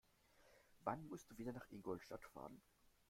Wann musst du wieder nach Ingolstadt fahren?